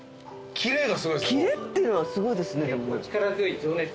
キレっていうのがすごいですねでも。